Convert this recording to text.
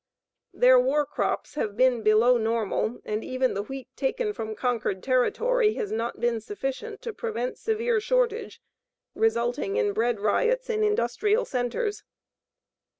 Their war crops have been below normal, and even the wheat taken from conquered territory has not been sufficient to prevent severe shortage, resulting in bread riots in industrial centres.